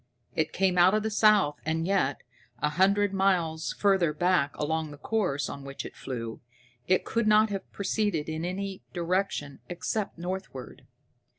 It came out of the south, and yet, a hundred miles further back along the course on which it flew, it could not have proceeded in any direction except northward.